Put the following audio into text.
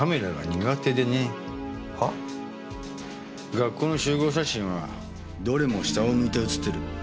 学校の集合写真はどれも下を向いて写ってる。